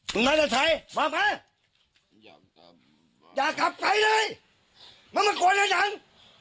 มึงไงล่ะไทยบ้าปะอย่ากลับไปเลยมึงไม่กลัวแล้วจัง